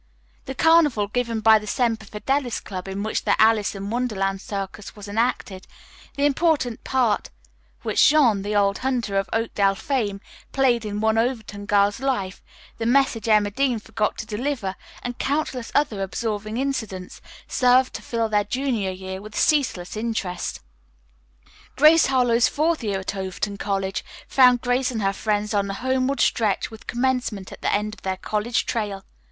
The carnival given by the Semper Fidelis Club in which the Alice in Wonderland Circus was enacted, the important part which Jean, the old hunter of Oakdale fame, played in one Overton girl's life, the message Emma Dean forgot to deliver, and countless other absorbing incidents served to fill their junior year with ceaseless interest. "Grace Harlowe's Fourth Year at Overton College" found Grace and her friends on the homeward stretch with commencement at the end of their college trail.